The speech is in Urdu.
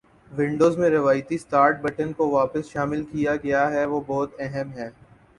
ونڈوز میں روایتی سٹارٹ بٹن کو واپس شامل کیا گیا ہے وہ بہت أہم ہیں